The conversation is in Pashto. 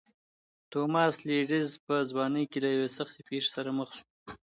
توماس لېډز په ځوانۍ کې له یوې سختې پېښې سره مخ شو.